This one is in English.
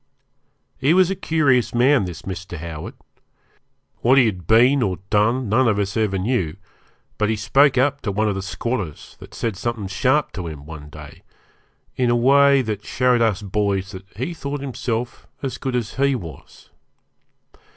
He was a curious man, this Mr. Howard. What he had been or done none of us ever knew, but he spoke up to one of the squatters that said something sharp to him one day in a way that showed us boys that he thought himself as good as he was.